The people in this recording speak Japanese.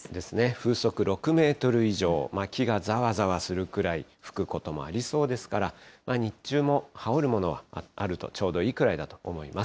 風速６メートル以上、木がざわざわするくらい吹くこともありそうですから、日中も羽織るものはあるとちょうどいいくらいだと思います。